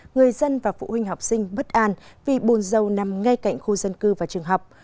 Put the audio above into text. người dân và phụ huynh học sinh bất an vì bồn dâu nằm ngay cạnh khu dân cư và trường học